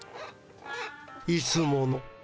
いつもの。